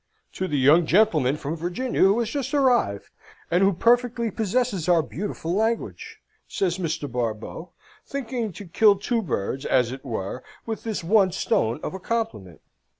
"To the young gentleman from Virginia who has just arrived, and who perfectly possesses our beautiful language!" says Mr. Barbeau, thinking to kill two birds, as it were, with this one stone of a compliment.